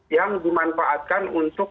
yang dimanfaatkan untuk